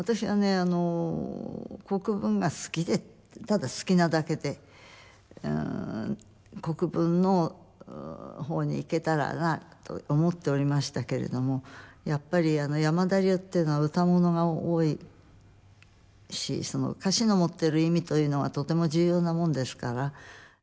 あの国文が好きでただ好きなだけで国文の方に行けたらなと思っておりましたけれどもやっぱり山田流っていうのは唄物が多いしその歌詞の持っている意味というのはとても重要なもんですから。